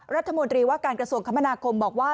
รัฐมนตรีว่าการกระทรวงคมนาคมบอกว่า